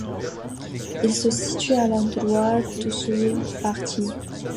Il se situe à la droite de ce parti.